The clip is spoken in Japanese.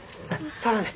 触らんで。